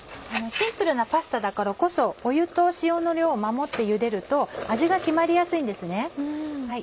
シンプルなパスタだからこそ湯と塩の量を守ってゆでると味が決まりやすいんですね。